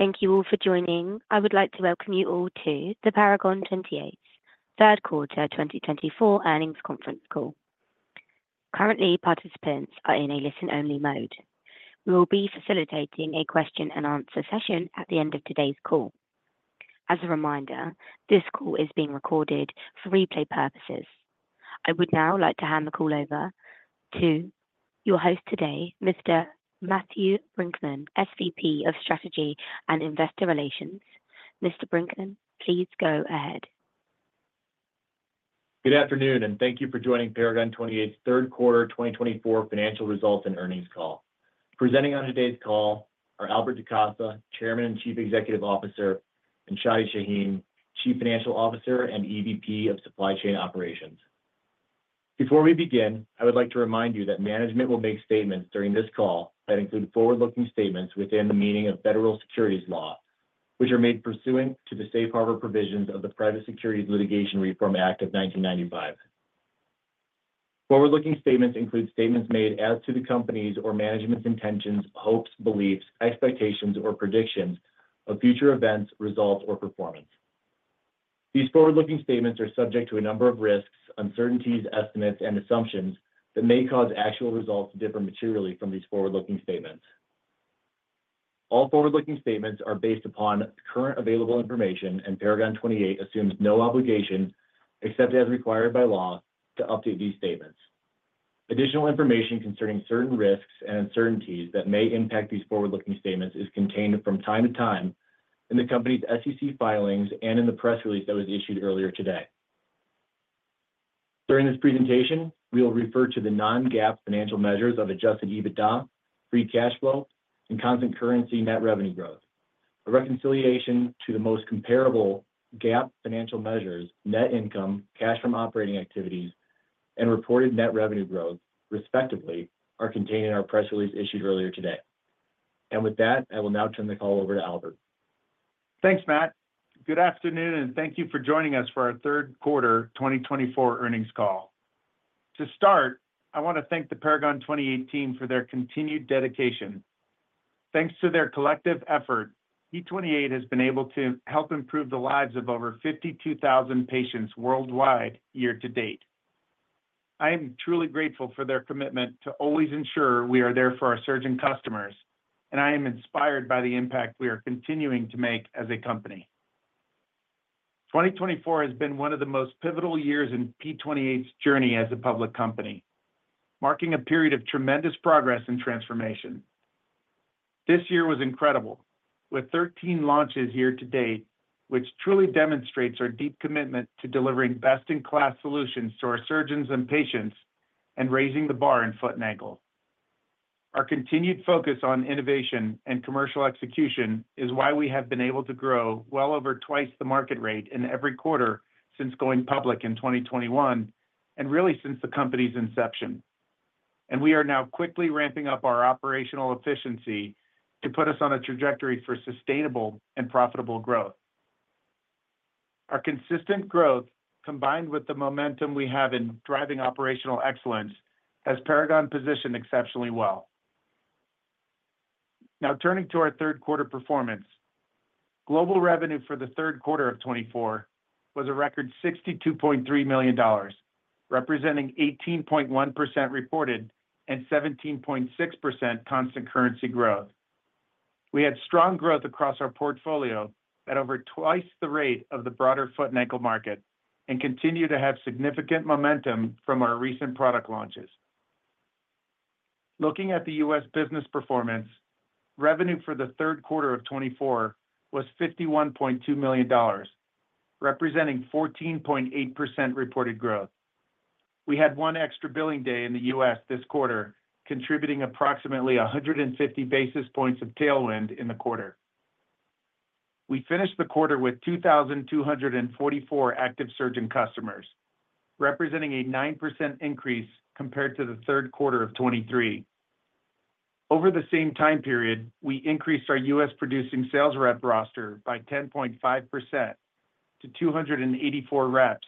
Thank you all for joining. I would like to welcome you all to the Paragon 28 Third Quarter 2024 Earnings Conference Call. Currently, participants are in a listen-only mode. We will be facilitating a question-and-answer session at the end of today's call. As a reminder, this call is being recorded for replay purposes. I would now like to hand the call over to your host today, Mr. Matthew Brinckman, SVP of Strategy and Investor Relations. Mr. Brinckman, please go ahead. Good afternoon, and thank you for joining Paragon 28's Third Quarter 2024 Financial Results and Earnings Call. Presenting on today's call are Albert DaCosta, Chairman and Chief Executive Officer, and Chadi Chahine, Chief Financial Officer and EVP of Supply Chain Operations. Before we begin, I would like to remind you that management will make statements during this call that include forward-looking statements within the meaning of federal securities law, which are made pursuant to the safe harbor provisions of the Private Securities Litigation Reform Act of 1995. Forward-looking statements include statements made as to the company's or management's intentions, hopes, beliefs, expectations, or predictions of future events, results, or performance. These forward-looking statements are subject to a number of risks, uncertainties, estimates, and assumptions that may cause actual results to differ materially from these forward-looking statements. All forward-looking statements are based upon current available information, and Paragon 28 assumes no obligation, except as required by law, to update these statements. Additional information concerning certain risks and uncertainties that may impact these forward-looking statements is contained from time to time in the company's SEC filings and in the press release that was issued earlier today. During this presentation, we will refer to the non-GAAP financial measures of Adjusted EBITDA, free cash flow, and constant currency net revenue growth. A reconciliation to the most comparable GAAP financial measures, net income, cash from operating activities, and reported net revenue growth, respectively, are contained in our press release issued earlier today. And with that, I will now turn the call over to Albert. Thanks, Matt. Good afternoon, and thank you for joining us for our third quarter 2024 earnings call. To start, I want to thank the Paragon 28 for their continued dedication. Thanks to their collective effort, P28 has been able to help improve the lives of over 52,000 patients worldwide year-to-date. I am truly grateful for their commitment to always ensure we are there for our surgeon customers, and I am inspired by the impact we are continuing to make as a company. 2024 has been one of the most pivotal years in P28's journey as a public company, marking a period of tremendous progress and transformation. This year was incredible, with 13 launches year-to-date, which truly demonstrates our deep commitment to delivering best-in-class solutions to our surgeons and patients and raising the bar in foot and ankle. Our continued focus on innovation and commercial execution is why we have been able to grow well over twice the market rate in every quarter since going public in 2021, and really since the company's inception. And we are now quickly ramping up our operational efficiency to put us on a trajectory for sustainable and profitable growth. Our consistent growth, combined with the momentum we have in driving operational excellence, has Paragon positioned exceptionally well. Now, turning to our third quarter performance, global revenue for the third quarter of 2024 was a record $62.3 million, representing 18.1% reported and 17.6% constant currency growth. We had strong growth across our portfolio at over twice the rate of the broader foot and ankle market and continue to have significant momentum from our recent product launches. Looking at the U.S. Business performance, revenue for the third quarter of 2024 was $51.2 million, representing 14.8% reported growth. We had one extra billing day in the U.S. this quarter, contributing approximately 150 basis points of tailwind in the quarter. We finished the quarter with 2,244 active surgeon customers, representing a 9% increase compared to the third quarter of 2023. Over the same time period, we increased our U.S. producing sales rep roster by 10.5% to 284 reps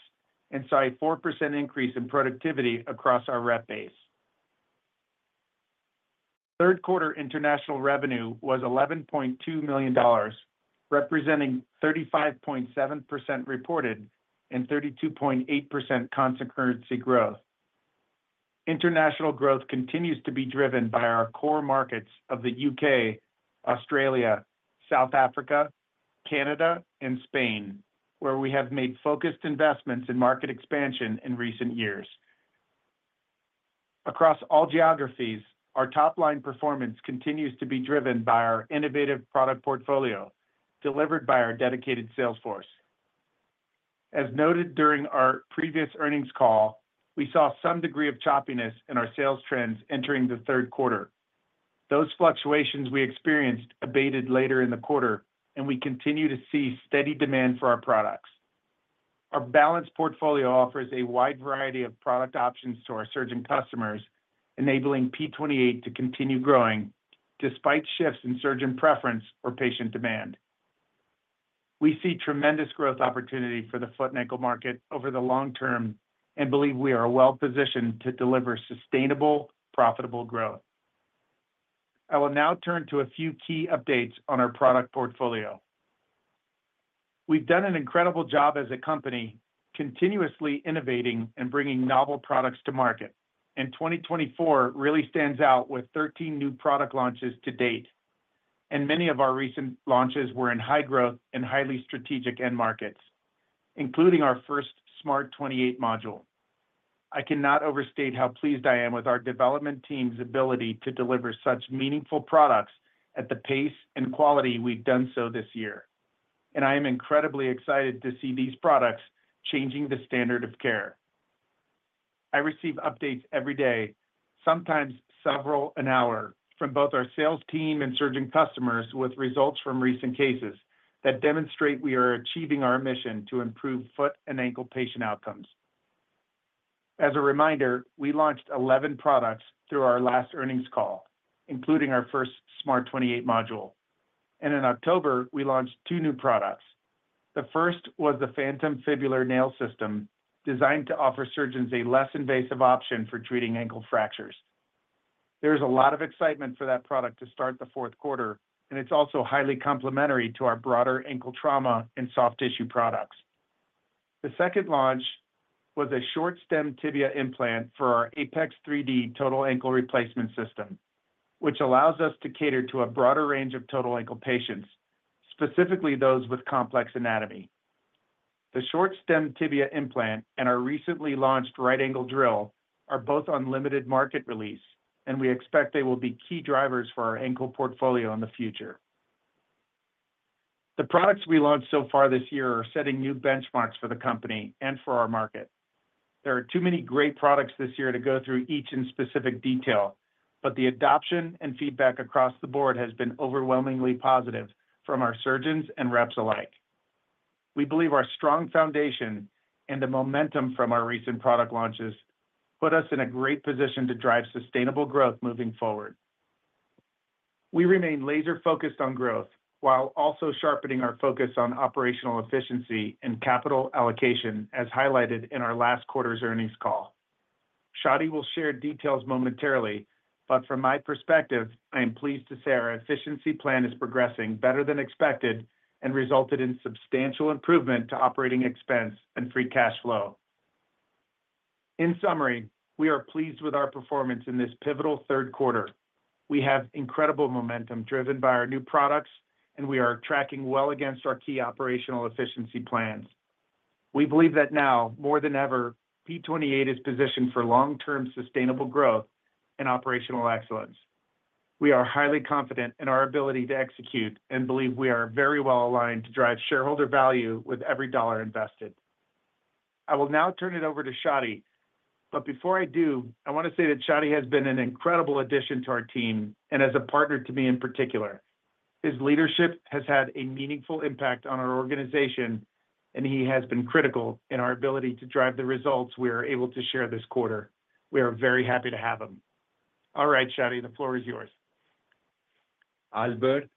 and saw a 4% increase in productivity across our rep base. Third quarter international revenue was $11.2 million, representing 35.7% reported and 32.8% constant currency growth. International growth continues to be driven by our core markets of the U.K., Australia, South Africa, Canada, and Spain, where we have made focused investments in market expansion in recent years. Across all geographies, our top-line performance continues to be driven by our innovative product portfolio delivered by our dedicated sales force. As noted during our previous earnings call, we saw some degree of choppiness in our sales trends entering the third quarter. Those fluctuations we experienced abated later in the quarter, and we continue to see steady demand for our products. Our balanced portfolio offers a wide variety of product options to our surgeon customers, enabling P28 to continue growing despite shifts in surgeon preference or patient demand. We see tremendous growth opportunity for the foot and ankle market over the long term and believe we are well positioned to deliver sustainable, profitable growth. I will now turn to a few key updates on our product portfolio. We've done an incredible job as a company, continuously innovating and bringing novel products to market. 2024 really stands out with 13 new product launches to date, and many of our recent launches were in high growth and highly strategic end markets, including our first SMART 28 module. I cannot overstate how pleased I am with our development team's ability to deliver such meaningful products at the pace and quality we've done so this year. I am incredibly excited to see these products changing the standard of care. I receive updates every day, sometimes several an hour, from both our sales team and surgeon customers with results from recent cases that demonstrate we are achieving our mission to improve foot and ankle patient outcomes. As a reminder, we launched 11 products through our last earnings call, including our first SMART 28 module. In October, we launched two new products. The first was the Phantom Fibula Nail System, designed to offer surgeons a less invasive option for treating ankle fractures. There is a lot of excitement for that product to start the fourth quarter, and it's also highly complementary to our broader ankle trauma and soft tissue products. The second launch was a Short Stem Tibia implant for our APEX 3D Total Ankle Replacement System, which allows us to cater to a broader range of total ankle patients, specifically those with complex anatomy. The Short Stem Tibia implant and our recently launched Right-Angle Drill are both on limited market release, and we expect they will be key drivers for our ankle portfolio in the future. The products we launched so far this year are setting new benchmarks for the company and for our market. There are too many great products this year to go through each in specific detail, but the adoption and feedback across the board has been overwhelmingly positive from our surgeons and reps alike. We believe our strong foundation and the momentum from our recent product launches put us in a great position to drive sustainable growth moving forward. We remain laser-focused on growth while also sharpening our focus on operational efficiency and capital allocation, as highlighted in our last quarter's earnings call. Chadi will share details momentarily, but from my perspective, I am pleased to say our efficiency plan is progressing better than expected and resulted in substantial improvement to operating expense and free cash flow. In summary, we are pleased with our performance in this pivotal third quarter. We have incredible momentum driven by our new products, and we are tracking well against our key operational efficiency plans. We believe that now, more than ever, P28 is positioned for long-term sustainable growth and operational excellence. We are highly confident in our ability to execute and believe we are very well aligned to drive shareholder value with every dollar invested. I will now turn it over to Chadi, but before I do, I want to say that Chadi has been an incredible addition to our team and as a partner to me in particular. His leadership has had a meaningful impact on our organization, and he has been critical in our ability to drive the results we are able to share this quarter. We are very happy to have him. All right, Chadi, the floor is yours. Albert,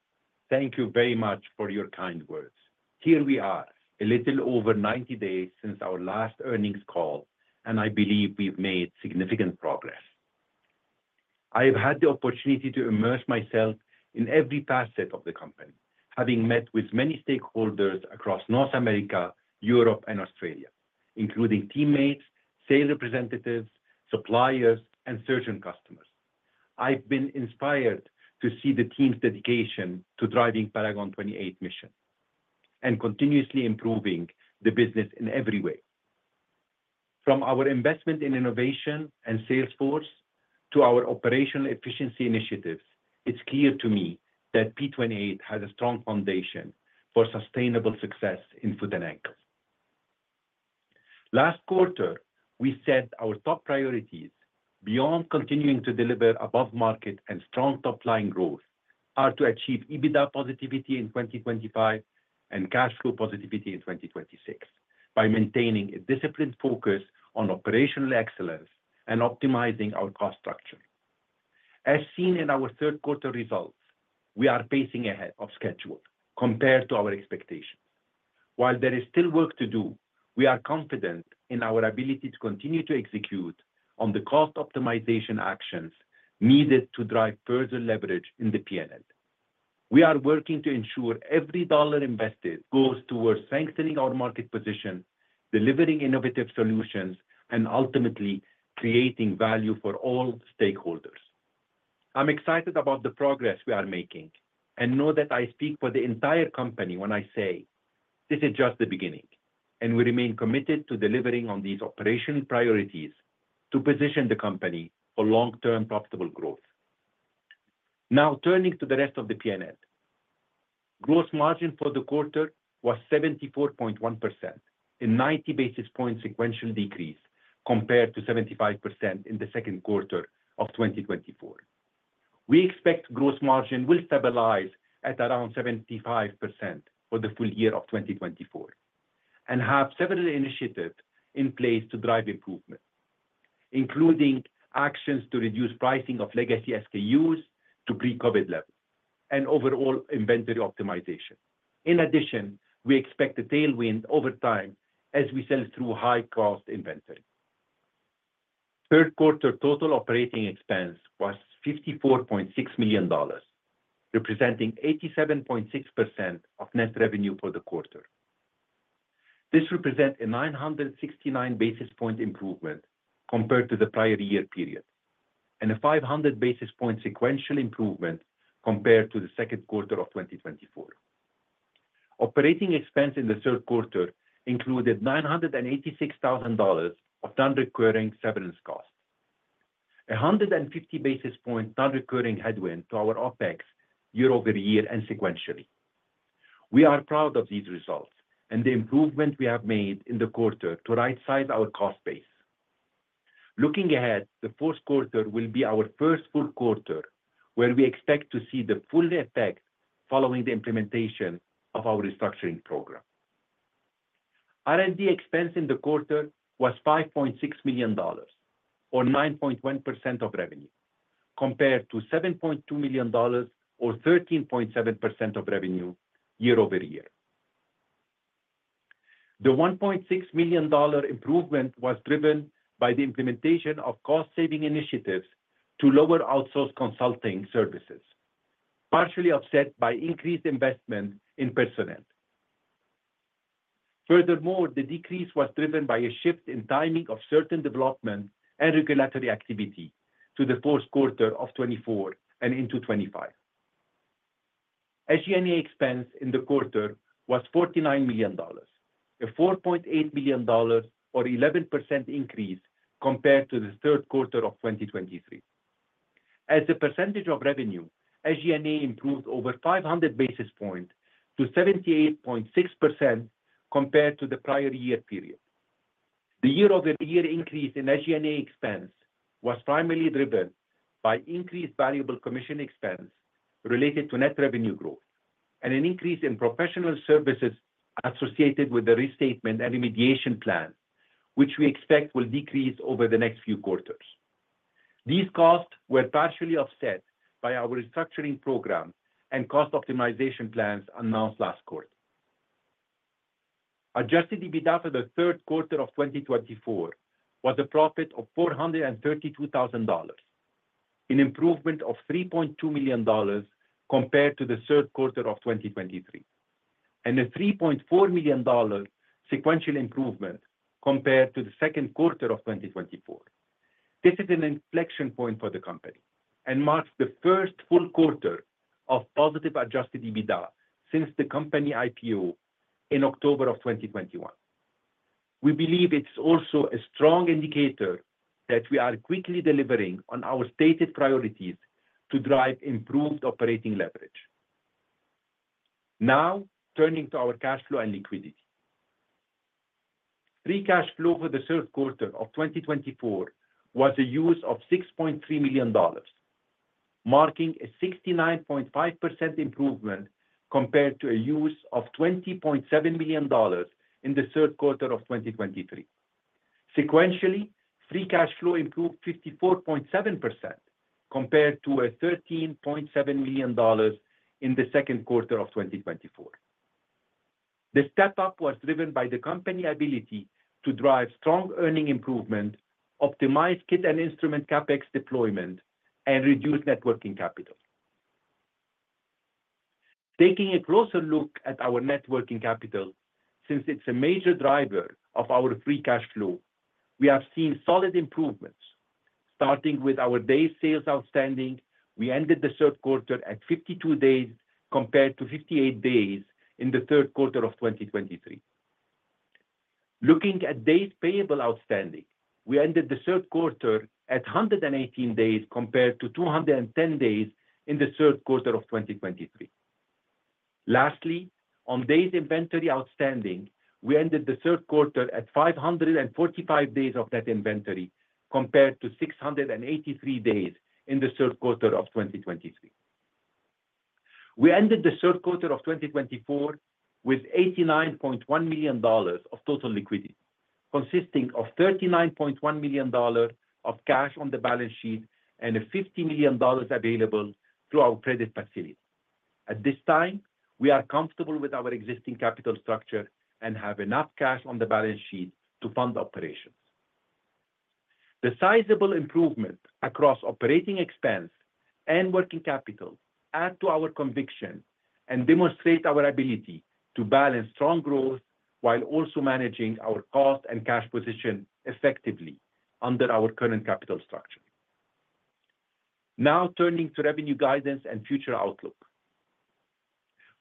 thank you very much for your kind words. Here we are, a little over 90 days since our last earnings call, and I believe we've made significant progress. I have had the opportunity to immerse myself in every facet of the company, having met with many stakeholders across North America, Europe, and Australia, including teammates, sales representatives, suppliers, and surgeon customers. I've been inspired to see the team's dedication to driving Paragon 28 mission and continuously improving the business in every way. From our investment in innovation and sales force to our operational efficiency initiatives, it's clear to me that P28 has a strong foundation for sustainable success in foot and ankle. Last quarter, we set our top priorities beyond continuing to deliver above-market and strong top-line growth, to achieve EBITDA positivity in 2025 and cash flow positivity in 2026 by maintaining a disciplined focus on operational excellence and optimizing our cost structure. As seen in our third quarter results, we are pacing ahead of schedule compared to our expectations. While there is still work to do, we are confident in our ability to continue to execute on the cost optimization actions needed to drive further leverage in the P&L. We are working to ensure every dollar invested goes towards strengthening our market position, delivering innovative solutions, and ultimately creating value for all stakeholders. I'm excited about the progress we are making and know that I speak for the entire company when I say this is just the beginning, and we remain committed to delivering on these operational priorities to position the company for long-term profitable growth. Now, turning to the rest of the P&L, gross margin for the quarter was 74.1%, a 90 basis points sequential decrease compared to 75% in the second quarter of 2024. We expect gross margin will stabilize at around 75% for the full year of 2024 and have several initiatives in place to drive improvement, including actions to reduce pricing of legacy SKUs to pre-COVID levels and overall inventory optimization. In addition, we expect a tailwind over time as we sell through high-cost inventory. Third quarter total operating expense was $54.6 million, representing 87.6% of net revenue for the quarter. This represents a 969 basis point improvement compared to the prior-year period and a 500 basis point sequential improvement compared to the second quarter of 2024. Operating expense in the third quarter included $986,000 of non-recurring severance cost, a 150 basis point non-recurring headwind to our OpEx year-over-year and sequentially. We are proud of these results and the improvement we have made in the quarter to right-size our cost base. Looking ahead, the fourth quarter will be our first full quarter where we expect to see the full effect following the implementation of our restructuring program. R&D expense in the quarter was $5.6 million, or 9.1% of revenue, compared to $7.2 million, or 13.7% of revenue year-over-year. The $1.6 million improvement was driven by the implementation of cost-saving initiatives to lower outsourced consulting services, partially offset by increased investment in personnel. Furthermore, the decrease was driven by a shift in timing of certain development and regulatory activity to the fourth quarter of 2024 and into 2025. SG&A expense in the quarter was $49 million, a $4.8 million, or 11% increase compared to the third quarter of 2023. As a percentage of revenue, SG&A improved over 500 basis points to 78.6% compared to the prior-year period. The year-over-year increase in SG&A expense was primarily driven by increased variable commission expense related to net revenue growth and an increase in professional services associated with the restatement and remediation plan, which we expect will decrease over the next few quarters. These costs were partially offset by our restructuring program and cost optimization plans announced last quarter. Adjusted EBITDA for the third quarter of 2024 was a profit of $432,000, an improvement of $3.2 million compared to the third quarter of 2023, and a $3.4 million sequential improvement compared to the second quarter of 2024. This is an inflection point for the company and marks the first full quarter of positive adjusted EBITDA since the company IPO in October of 2021. We believe it's also a strong indicator that we are quickly delivering on our stated priorities to drive improved operating leverage. Now, turning to our cash flow and liquidity. Free cash flow for the third quarter of 2024 was a use of $6.3 million, marking a 69.5% improvement compared to a use of $20.7 million in the third quarter of 2023. Sequentially, free cash flow improved 54.7% compared to a $13.7 million in the second quarter of 2024. The step-up was driven by the company's ability to drive strong earnings improvement, optimize kit and instrument CapEx deployment, and reduce working capital. Taking a closer look at our working capital, since it's a major driver of our free cash flow, we have seen solid improvements, starting with our Days Sales Outstanding. We ended the third quarter at 52 days compared to 58 days in the third quarter of 2023. Looking at Days Payable Outstanding, we ended the third quarter at 118 days compared to 210 days in the third quarter of 2023. Lastly, on Days Inventory Outstanding, we ended the third quarter at 545 days of net inventory compared to 683 days in the third quarter of 2023. We ended the third quarter of 2024 with $89.1 million of total liquidity, consisting of $39.1 million of cash on the balance sheet and $50 million available through our credit facility. At this time, we are comfortable with our existing capital structure and have enough cash on the balance sheet to fund operations. The sizable improvement across operating expense and working capital adds to our conviction and demonstrates our ability to balance strong growth while also managing our cost and cash position effectively under our current capital structure. Now, turning to revenue guidance and future outlook.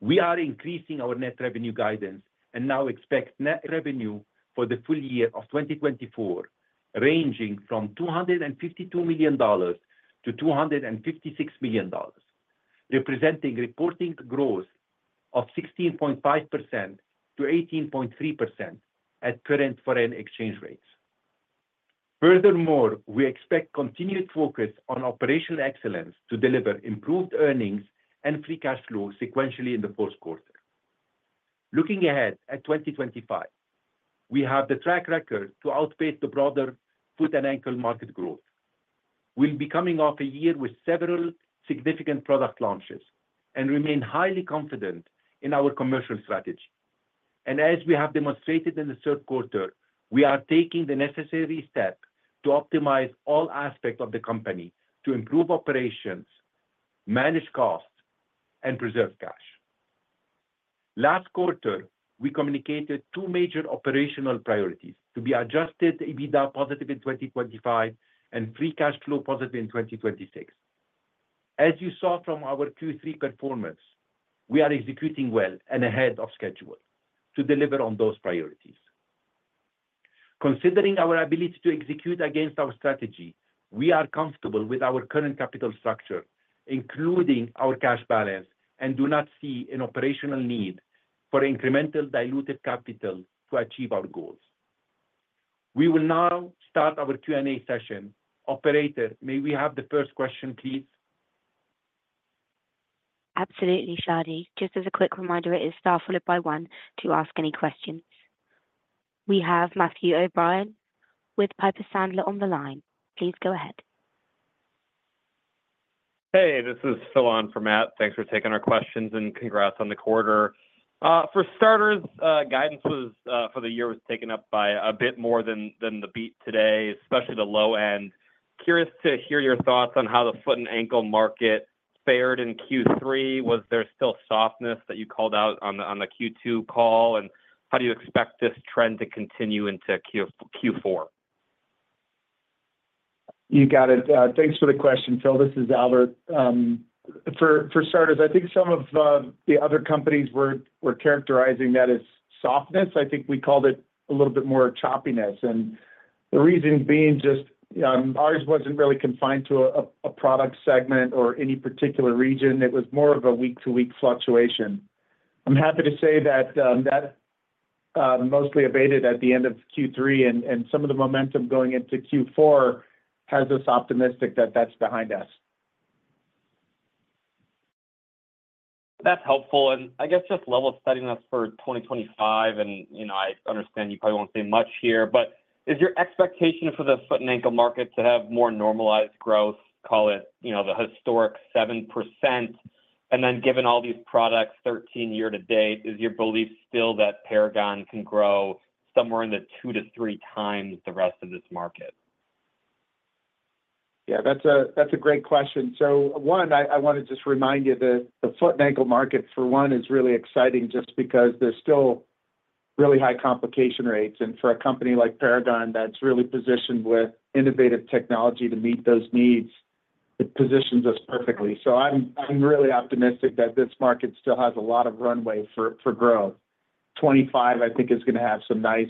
We are increasing our net revenue guidance and now expect net revenue for the full year of 2024 ranging from $252 million-$256 million, representing reported growth of 16.5% to 18.3% at current foreign exchange rates. Furthermore, we expect continued focus on operational excellence to deliver improved earnings and free cash flow sequentially in the fourth quarter. Looking ahead at 2025, we have the track record to outpace the broader foot and ankle market growth. We'll be coming off a year with several significant product launches and remain highly confident in our commercial strategy. And as we have demonstrated in the third quarter, we are taking the necessary step to optimize all aspects of the company to improve operations, manage costs, and preserve cash. Last quarter, we communicated two major operational priorities to be Adjusted EBITDA positive in 2025 and free cash flow positive in 2026. As you saw from our Q3 performance, we are executing well and ahead of schedule to deliver on those priorities. Considering our ability to execute against our strategy, we are comfortable with our current capital structure, including our cash balance, and do not see an operational need for incremental diluted capital to achieve our goals. We will now start our Q&A session. Operator, may we have the first question, please? Absolutely, Chadi. Just as a quick reminder, it is star followed by one to ask any questions. We have Matthew O'Brien with Piper Sandler on the line. Please go ahead. Hey, this is Phil on for Matt. Thanks for taking our questions and congrats on the quarter. For starters, guidance for the year was taken up by a bit more than the beat today, especially the low end. Curious to hear your thoughts on how the foot and ankle market fared in Q3? Was there still softness that you called out on the Q2 call? And how do you expect this trend to continue into Q4? You got it. Thanks for the question, Phil. This is Albert. For starters, I think some of the other companies were characterizing that as softness. I think we called it a little bit more choppiness. And the reason being just ours wasn't really confined to a product segment or any particular region. It was more of a week-to-week fluctuation. I'm happy to say that that mostly abated at the end of Q3, and some of the momentum going into Q4 has us optimistic that that's behind us. That's helpful, and I guess just level setting us for 2025, and I understand you probably won't say much here, but is your expectation for the foot and ankle market to have more normalized growth, call it the historic 7%, and then given all these products, 13% year-to-date, is your belief still that Paragon can grow somewhere in the two to three times the rest of this market? Yeah, that's a great question. So one, I want to just remind you that the foot and ankle market, for one, is really exciting just because there's still really high complication rates. And for a company like Paragon 28 that's really positioned with innovative technology to meet those needs, it positions us perfectly. So I'm really optimistic that this market still has a lot of runway for growth. 2025, I think, is going to have some nice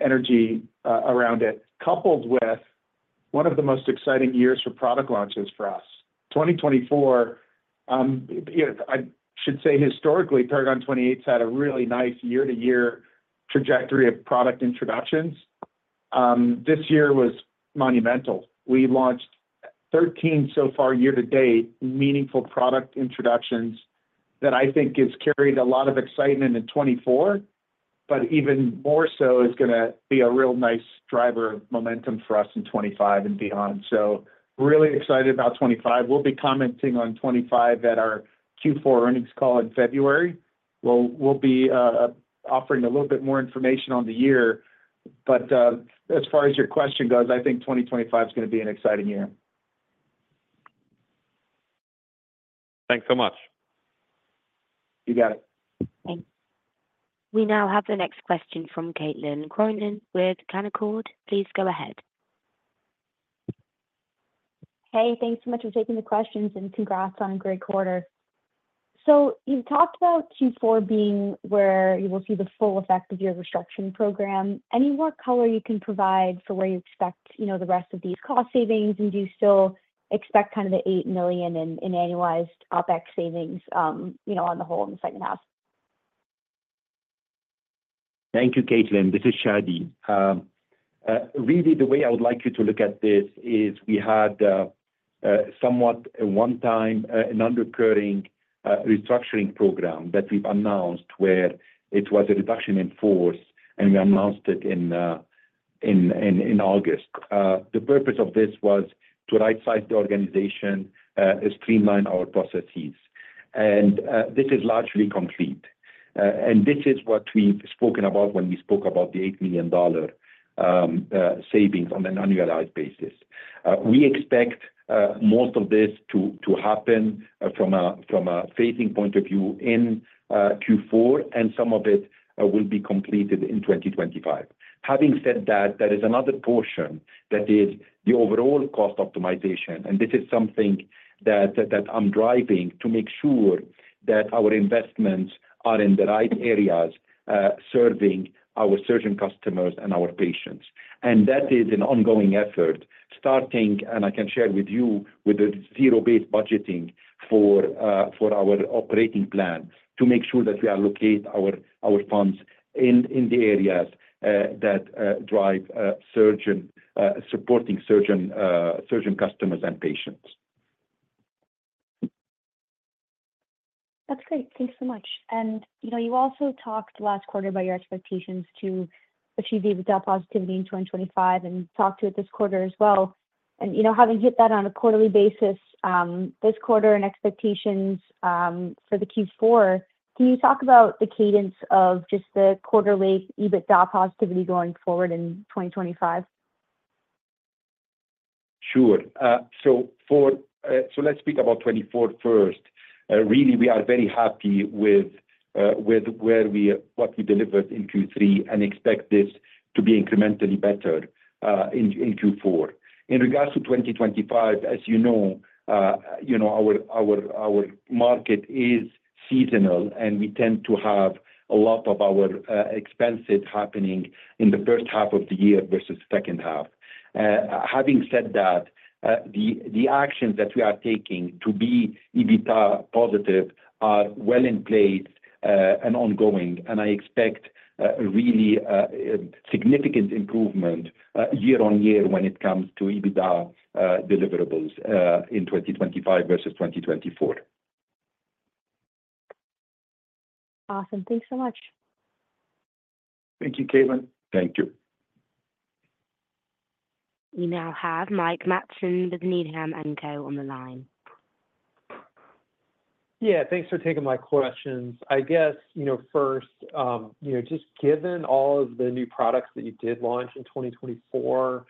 energy around it, coupled with one of the most exciting years for product launches for us. 2024, I should say historically, Paragon 28 had a really nice year-to-year trajectory of product introductions. This year was monumental. We launched 13 so far year-to-date meaningful product introductions that I think have carried a lot of excitement in 2024, but even more so is going to be a real nice driver of momentum for us in 2025 and beyond. So really excited about 2025. We'll be commenting on 2025 at our Q4 earnings call in February. We'll be offering a little bit more information on the year. But as far as your question goes, I think 2025 is going to be an exciting year. Thanks so much. You got it. Thanks. We now have the next question from Caitlin Cronin with Canaccord. Please go ahead. Hey, thanks so much for taking the questions and congrats on a great quarter. So you've talked about Q4 being where you will see the full effect of your restructuring program. Any more color you can provide for where you expect the rest of these cost savings? And do you still expect kind of the $8 million in annualized OpEx savings on the whole in the second half? Thank you, Caitlin. This is Chadi. Really, the way I would like you to look at this is we had somewhat a one-time non-recurring restructuring program that we've announced where it was a reduction in force, and we announced it in August. The purpose of this was to right-size the organization, streamline our processes, and this is largely complete, and this is what we've spoken about when we spoke about the $8 million savings on an annualized basis. We expect most of this to happen from a phasing point of view in Q4, and some of it will be completed in 2025. Having said that, there is another portion that is the overall cost optimization, and this is something that I'm driving to make sure that our investments are in the right areas serving our surgeon customers and our patients. That is an ongoing effort, starting, and I can share with you, with the zero-based budgeting for our operating plan to make sure that we allocate our funds in the areas that drive surgeon supporting surgeon customers and patients. That's great. Thanks so much. And you also talked last quarter about your expectations to achieve EBITDA positivity in 2025 and talked to it this quarter as well. And having hit that on a quarterly basis, this quarter and expectations for the Q4, can you talk about the cadence of just the quarterly EBITDA positivity going forward in 2025? Sure. So let's speak about 2024 first. Really, we are very happy with what we delivered in Q3 and expect this to be incrementally better in Q4. In regards to 2025, as you know, our market is seasonal, and we tend to have a lot of our expenses happening in the first half of the year versus the second half. Having said that, the actions that we are taking to be EBITDA positive are well in place and ongoing. I expect a really significant improvement year on year when it comes to EBITDA deliverables in 2025 versus 2024. Awesome. Thanks so much. Thank you, Caitlin. Thank you. We now have Mike Matson with Needham & Co on the line. Yeah, thanks for taking my questions. I guess first, just given all of the new products that you did launch in 2024,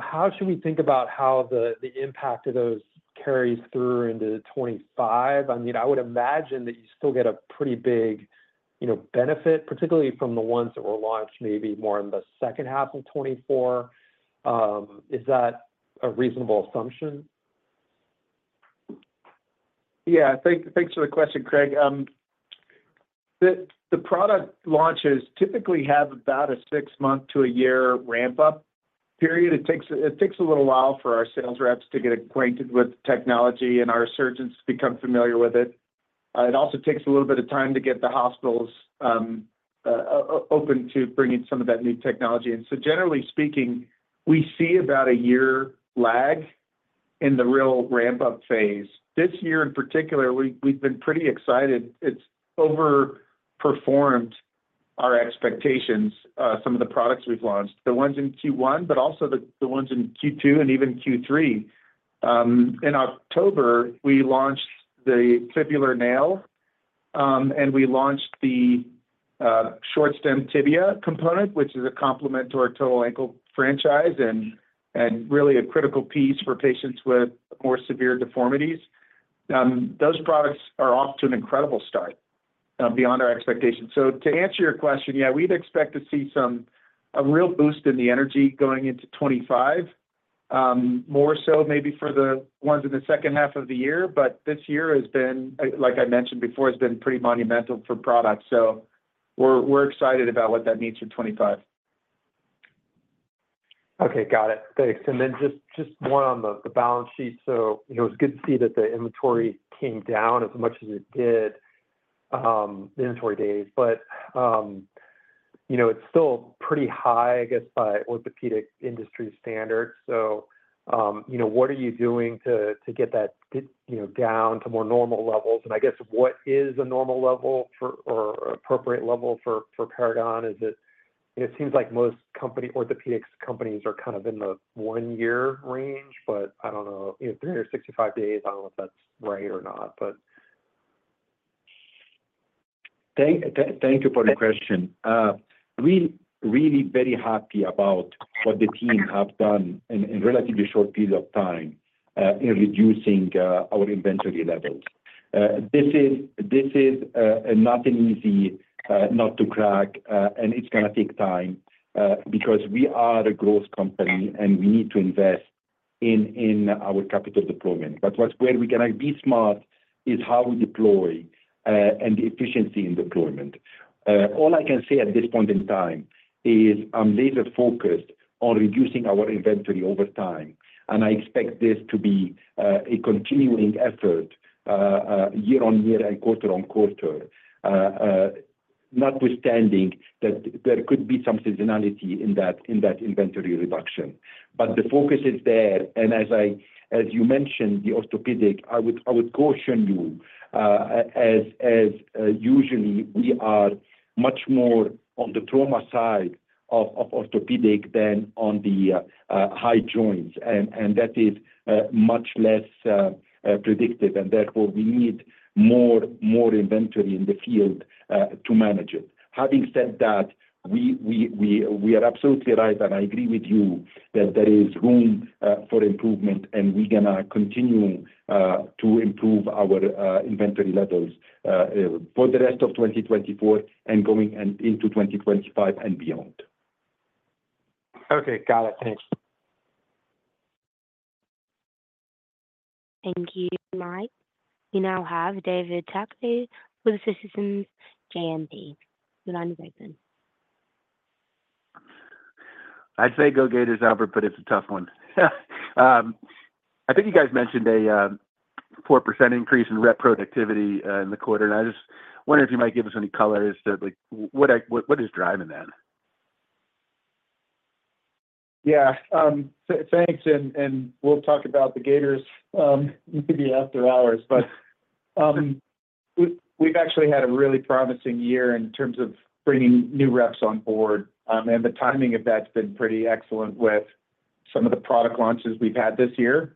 how should we think about how the impact of those carries through into 2025? I mean, I would imagine that you still get a pretty big benefit, particularly from the ones that were launched maybe more in the second half of 2024. Is that a reasonable assumption? Yeah, thanks for the question, Mike. The product launches typically have about a six-month to a year ramp-up period. It takes a little while for our sales reps to get acquainted with technology and our surgeons to become familiar with it. It also takes a little bit of time to get the hospitals open to bringing some of that new technology. And so generally speaking, we see about a year lag in the real ramp-up phase. This year, in particular, we've been pretty excited. It's overperformed our expectations, some of the products we've launched, the ones in Q1, but also the ones in Q2 and even Q3. In October, we launched the fibular nail, and we launched the Short Stem Tibia component, which is a complement to our total ankle franchise and really a critical piece for patients with more severe deformities. Those products are off to an incredible start beyond our expectations. So to answer your question, yeah, we'd expect to see some real boost in the energy going into 2025, more so maybe for the ones in the second half of the year. But this year has been, like I mentioned before, has been pretty monumental for products. So we're excited about what that means for 2025. Okay, got it. Thanks. And then just one on the balance sheet. So it was good to see that the inventory came down as much as it did, the inventory days. But it's still pretty high, I guess, by orthopedic industry standards. So what are you doing to get that down to more normal levels? And I guess what is a normal level or appropriate level for Paragon? It seems like most orthopedic companies are kind of in the one-year range, but I don't know, 365 days, I don't know if that's right or not, but. Thank you for the question. We're really very happy about what the team have done in a relatively short period of time in reducing our inventory levels. This is not an easy nut to crack, and it's going to take time because we are a growth company, and we need to invest in our capital deployment, but where we can be smart is how we deploy and the efficiency in deployment. All I can say at this point in time is I'm laser-focused on reducing our inventory over time, and I expect this to be a continuing effort year-on-year and quarter-on-quarter, notwithstanding that there could be some seasonality in that inventory reduction, but the focus is there, and as you mentioned, the orthopedics, I would caution you, as usual we are much more on the trauma side of orthopedics than on the hip joints. That is much less predictive. Therefore, we need more inventory in the field to manage it. Having said that, we are absolutely right, and I agree with you that there is room for improvement, and we're going to continue to improve our inventory levels for the rest of 2024 and going into 2025 and beyond. Okay, got it. Thanks. Thank you, Mike. We now have David Turkaly with Citizens JMP. Your line is open. I'd say go get it, Albert, but it's a tough one. I think you guys mentioned a 4% increase in rep productivity in the quarter. And I just wonder if you might give us any colors to what is driving that? Yeah, thanks. And we'll talk about the Gators maybe after hours. But we've actually had a really promising year in terms of bringing new reps on board. And the timing of that's been pretty excellent with some of the product launches we've had this year.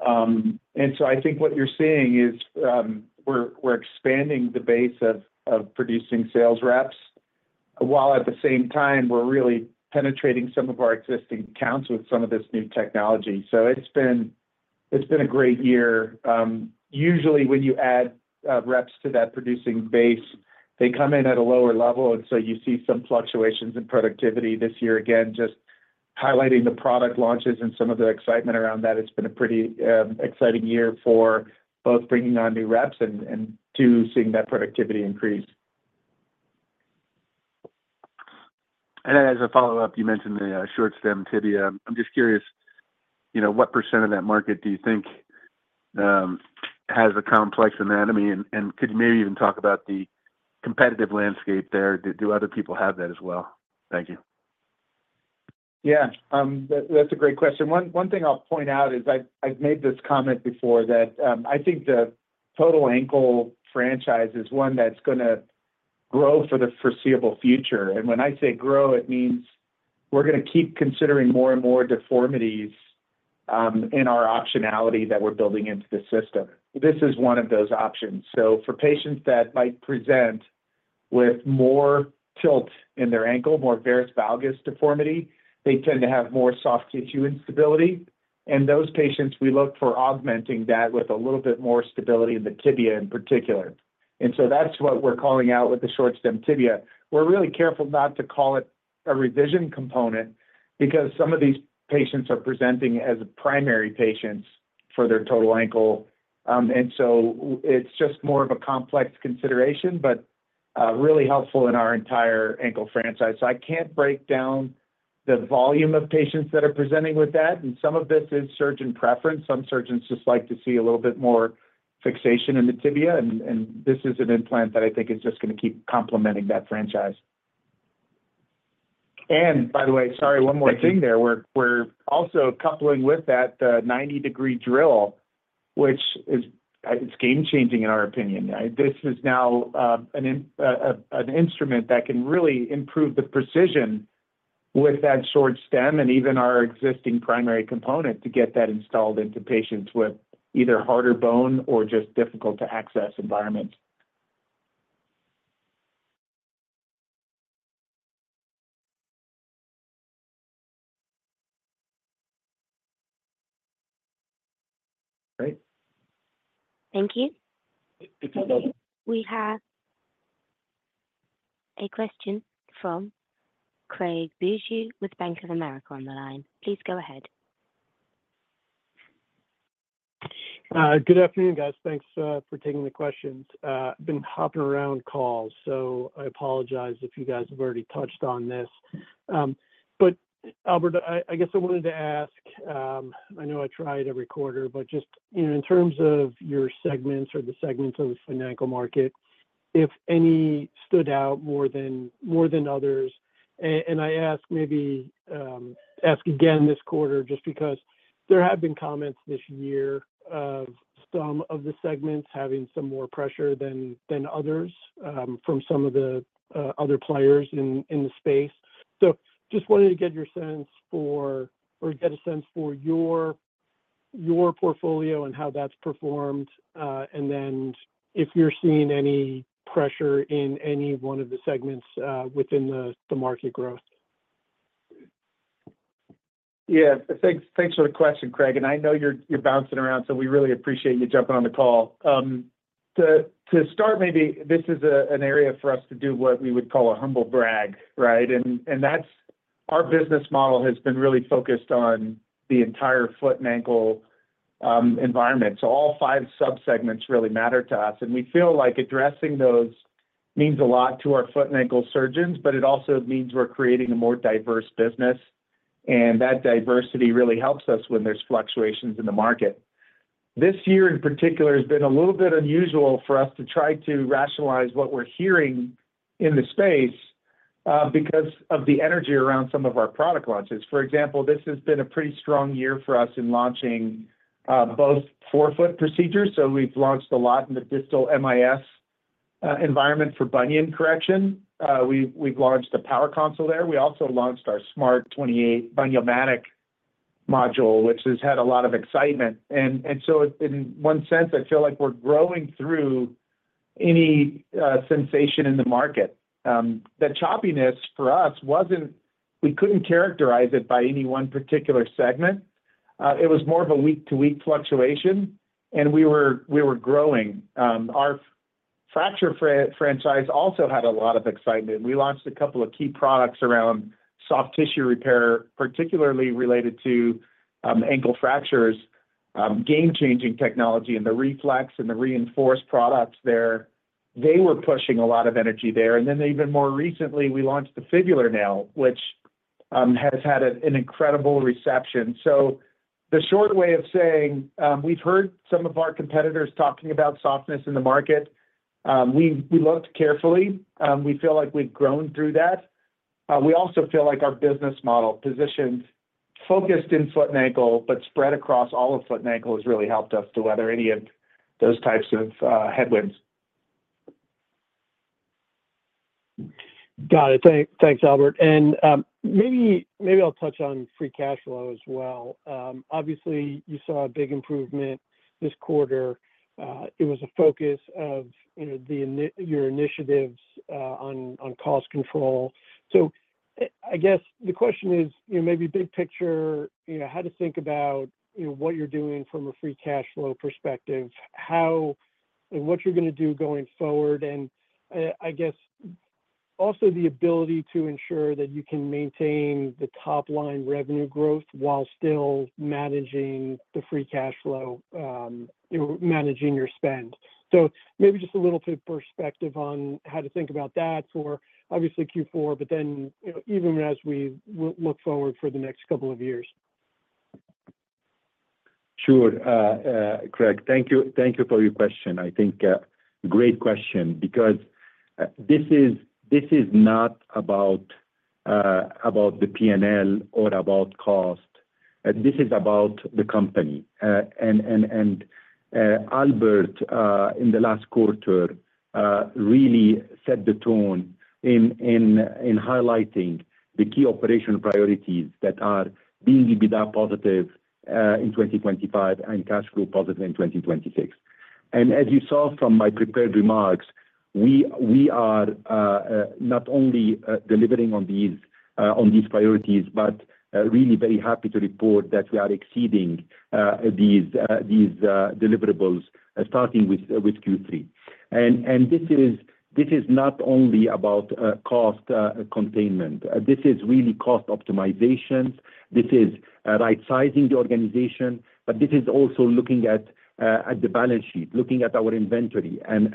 And so I think what you're seeing is we're expanding the base of producing sales reps, while at the same time, we're really penetrating some of our existing accounts with some of this new technology. So it's been a great year. Usually, when you add reps to that producing base, they come in at a lower level. And so you see some fluctuations in productivity this year. Again, just highlighting the product launches and some of the excitement around that, it's been a pretty exciting year for both bringing on new reps and seeing that productivity increase. As a follow-up, you mentioned the Short Stem Tibia. I'm just curious, what percent of that market do you think has a complex anatomy? And could you maybe even talk about the competitive landscape there? Do other people have that as well? Thank you. Yeah, that's a great question. One thing I'll point out is I've made this comment before that I think the total ankle franchise is one that's going to grow for the foreseeable future. And when I say grow, it means we're going to keep considering more and more deformities in our optionality that we're building into the system. This is one of those options. So for patients that might present with more tilt in their ankle, more varus/valgus deformity, they tend to have more soft tissue instability. And those patients, we look for augmenting that with a little bit more stability in the tibia in particular. And so that's what we're calling out with the Short Stem Tibia. We're really careful not to call it a revision component because some of these patients are presenting as primary patients for their total ankle. And so it's just more of a complex consideration, but really helpful in our entire ankle franchise. So I can't break down the volume of patients that are presenting with that. And some of this is surgeon preference. Some surgeons just like to see a little bit more fixation in the tibia. And this is an implant that I think is just going to keep complementing that franchise. And by the way, sorry, one more thing there. We're also coupling with that the 90 Degree Drill, which is game-changing in our opinion. This is now an instrument that can really improve the precision with that short stem and even our existing primary component to get that installed into patients with either harder bone or just difficult-to-access environments. Great. Thank you. It's a pleasure. We have a question from Craig Bijou with Bank of America on the line. Please go ahead. Good afternoon, guys. Thanks for taking the questions. I've been hopping around calls, so I apologize if you guys have already touched on this. But, Albert, I guess I wanted to ask. I know I try it every quarter, but just in terms of your segments or the segments of the financial market, if any stood out more than others? And I ask again this quarter just because there have been comments this year of some of the segments having some more pressure than others from some of the other players in the space. So just wanted to get a sense for your portfolio and how that's performed, and then if you're seeing any pressure in any one of the segments within the market growth. Yeah, thanks for the question, Craig, and I know you're bouncing around, so we really appreciate you jumping on the call. To start, maybe this is an area for us to do what we would call a humble brag, right, and our business model has been really focused on the entire foot and ankle environment, so all five subsegments really matter to us, and we feel like addressing those means a lot to our foot and ankle surgeons, but it also means we're creating a more diverse business, and that diversity really helps us when there's fluctuations in the market. This year, in particular, has been a little bit unusual for us to try to rationalize what we're hearing in the space because of the energy around some of our product launches. For example, this has been a pretty strong year for us in launching both forefoot procedures. So we've launched a lot in the distal MIS environment for bunion correction. We've launched a power console there. We also launched our SMART 28 Bun-Yo-Matic module, which has had a lot of excitement. And so in one sense, I feel like we're growing through any sensation in the market. The choppiness for us wasn't we couldn't characterize it by any one particular segment. It was more of a week-to-week fluctuation, and we were growing. Our fracture franchise also had a lot of excitement. We launched a couple of key products around soft tissue repair, particularly related to ankle fractures, game-changing technology, and the R3FLEX and the R3INFORCE products there. They were pushing a lot of energy there. And then even more recently, we launched the fibula nail, which has had an incredible reception. So the short way of saying we've heard some of our competitors talking about softness in the market. We looked carefully. We feel like we've grown through that. We also feel like our business model positioned focused in foot and ankle, but spread across all of foot and ankle has really helped us to weather any of those types of headwinds. Got it. Thanks, Albert. And maybe I'll touch on free cash flow as well. Obviously, you saw a big improvement this quarter. It was a focus of your initiatives on cost control. So I guess the question is maybe big picture, how to think about what you're doing from a free cash flow perspective, and what you're going to do going forward, and I guess also the ability to ensure that you can maintain the top-line revenue growth while still managing the free cash flow, managing your spend. So maybe just a little bit of perspective on how to think about that for obviously Q4, but then even as we look forward for the next couple of years. Sure, Craig. Thank you for your question. I think a great question because this is not about the P&L or about cost. This is about the company, and Albert, in the last quarter, really set the tone in highlighting the key operational priorities that are being EBITDA positive in 2025 and cash flow positive in 2026. As you saw from my prepared remarks, we are not only delivering on these priorities, but really very happy to report that we are exceeding these deliverables starting with Q3. This is not only about cost containment. This is really cost optimizations. This is right-sizing the organization, but this is also looking at the balance sheet, looking at our inventory, and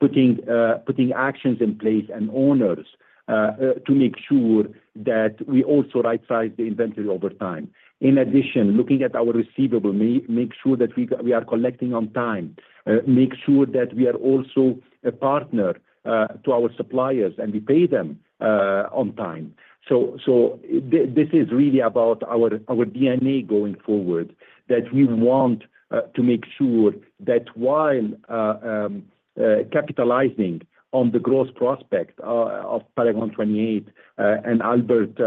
putting actions in place and owners to make sure that we also right-size the inventory over time. In addition, looking at our receivable, make sure that we are collecting on time, make sure that we are also a partner to our suppliers, and we pay them on time. So this is really about our DNA going forward that we want to make sure that while capitalizing on the growth prospect of Paragon 28, and Albert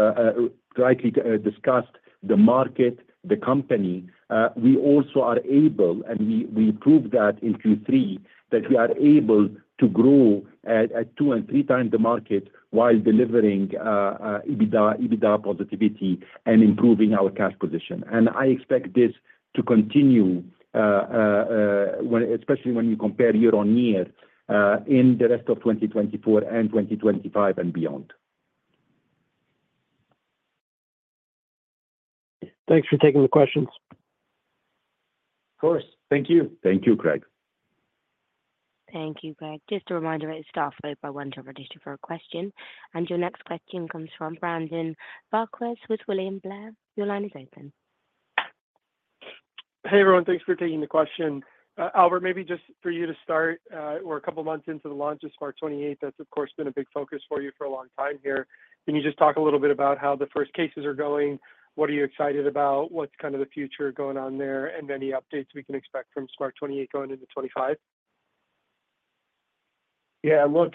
rightly discussed the market, the company, we also are able, and we proved that in Q3, that we are able to grow at 2x and 3x the market while delivering EBITDA positivity and improving our cash position. I expect this to continue, especially when you compare year on year in the rest of 2024 and 2025 and beyond. Thanks for taking the questions. Of course. Thank you. Thank you, Craig. Thank you, Craig. Just a reminder that it's staffed by one interpretation for a question, and your next question comes from Brandon Vazquez with William Blair. Your line is open. Hey, everyone. Thanks for taking the question. Albert, maybe just for you to start, we're a couple of months into the launch of SMART 28. That's, of course, been a big focus for you for a long time here. Can you just talk a little bit about how the first cases are going? What are you excited about? What's kind of the future going on there? And any updates we can expect from SMART 28 going into 2025? Yeah, look,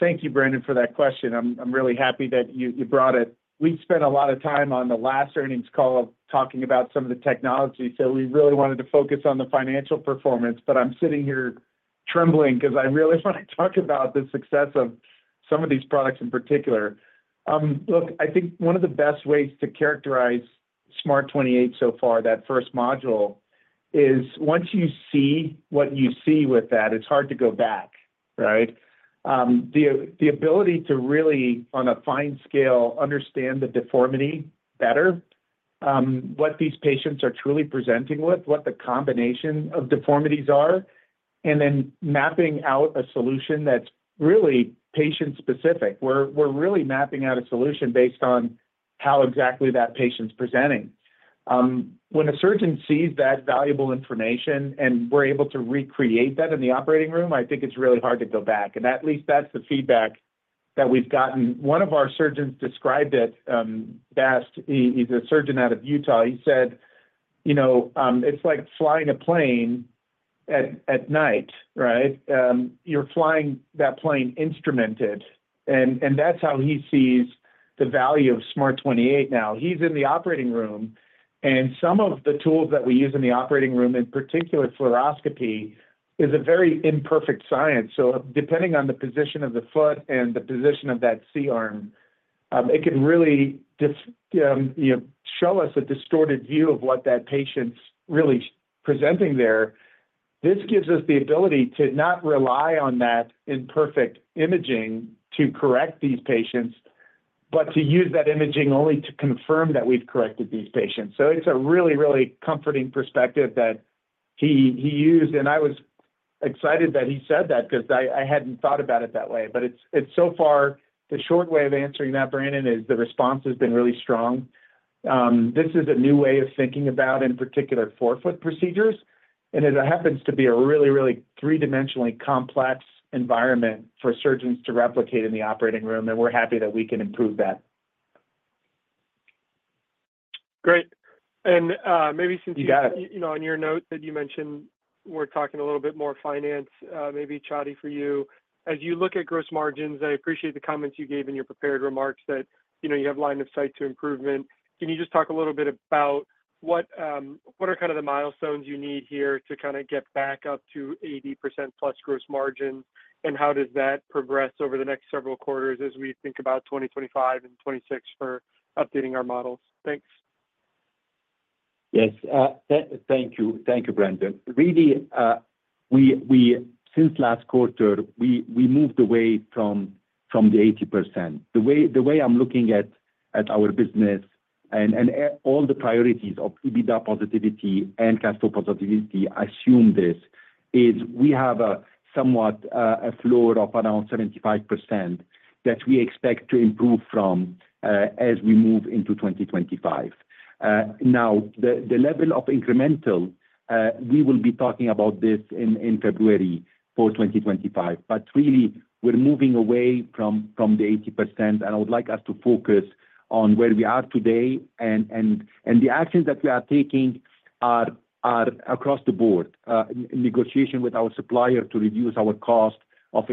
thank you, Brandon, for that question. I'm really happy that you brought it. We spent a lot of time on the last earnings call talking about some of the technology. So we really wanted to focus on the financial performance. But I'm sitting here trembling because I really want to talk about the success of some of these products in particular. Look, I think one of the best ways to characterize SMART 28 so far, that first module, is once you see what you see with that, it's hard to go back, right? The ability to really, on a fine scale, understand the deformity better, what these patients are truly presenting with, what the combination of deformities are, and then mapping out a solution that's really patient-specific. We're really mapping out a solution based on how exactly that patient's presenting. When a surgeon sees that valuable information and we're able to recreate that in the operating room, I think it's really hard to go back. And at least that's the feedback that we've gotten. One of our surgeons described it best. He's a surgeon out of Utah. He said, "It's like flying a plane at night, right? You're flying that plane instrumented." And that's how he sees the value of SMART 28 now. He's in the operating room, and some of the tools that we use in the operating room, in particular fluoroscopy, is a very imperfect science. So depending on the position of the foot and the position of that C-arm, it can really show us a distorted view of what that patient's really presenting there. This gives us the ability to not rely on that imperfect imaging to correct these patients, but to use that imaging only to confirm that we've corrected these patients. So it's a really, really comforting perspective that he used. And I was excited that he said that because I hadn't thought about it that way. But so far, the short way of answering that, Brandon, is the response has been really strong. This is a new way of thinking about, in particular, forefoot procedures. And it happens to be a really, really three-dimensionally complex environment for surgeons to replicate in the operating room. And we're happy that we can improve that. Great. And maybe since you got it on your note that you mentioned we're talking a little bit more finance, maybe Chadi for you. As you look at gross margins, I appreciate the comments you gave in your prepared remarks that you have line of sight to improvement. Can you just talk a little bit about what are kind of the milestones you need here to kind of get back up to 80%+ gross margins? And how does that progress over the next several quarters as we think about 2025 and 2026 for updating our models? Thanks. Yes. Thank you. Thank you, Brandon. Really, since last quarter, we moved away from the 80%. The way I'm looking at our business and all the priorities of EBITDA positivity and cash flow positivity, I assume this, is we have somewhat a floor of around 75% that we expect to improve from as we move into 2025. Now, the level of incremental, we will be talking about this in February for 2025. But really, we're moving away from the 80%. And I would like us to focus on where we are today. And the actions that we are taking are across the board, negotiation with our supplier to reduce our cost of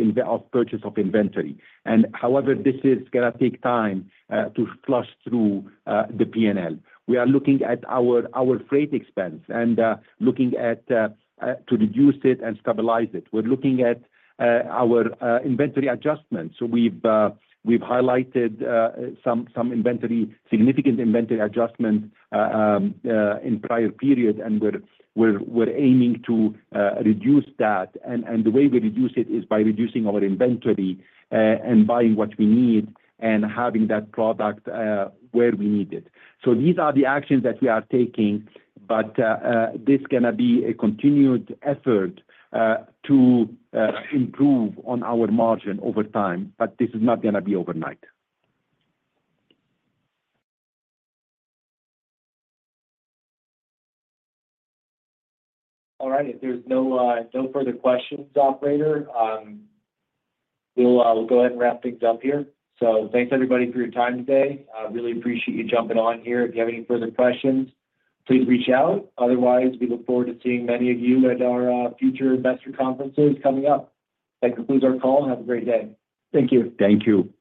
purchase of inventory. And however, this is going to take time to flush through the P&L. We are looking at our freight expense and looking at to reduce it and stabilize it. We're looking at our inventory adjustments. So we've highlighted some significant inventory adjustments in prior periods, and we're aiming to reduce that. And the way we reduce it is by reducing our inventory and buying what we need and having that product where we need it. So these are the actions that we are taking. But this is going to be a continued effort to improve on our margin over time. But this is not going to be overnight. All right. If there's no further questions, operator, we'll go ahead and wrap things up here. So thanks, everybody, for your time today. Really appreciate you jumping on here. If you have any further questions, please reach out. Otherwise, we look forward to seeing many of you at our future investor conferences coming up. That concludes our call. Have a great day. Thank you. Thank you.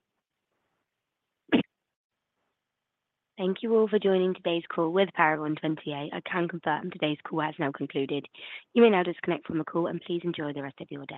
Thank you all for joining today's call with Paragon 28. I can confirm today's call has now concluded. You may now disconnect from the call, and please enjoy the rest of your day.